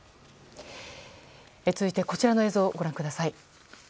続いて、こちらの映像をご覧ください。